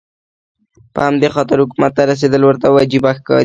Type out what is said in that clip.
په همدې خاطر حکومت ته رسېدل ورته وجیبه ښکاري.